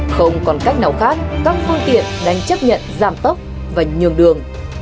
không còn cách nào khác các phương tiện đang chấp nhận giảm tốc và nhường đường